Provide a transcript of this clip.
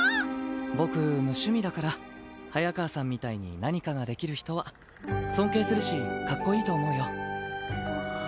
僕無趣味だから早川さんみたいに何かができる人は尊敬するしかっこいいと思うよ。